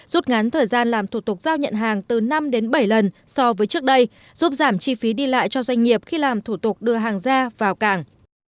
rút ngắn thời gian làm thủ tục giao nhận hàng từ năm đến bảy lần so với trước đây giúp giảm chi phí đi lại cho doanh nghiệp khi làm thủ tục đưa hàng ra vào cảng